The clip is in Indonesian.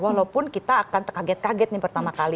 walaupun kita akan terkaget kaget nih pertama kali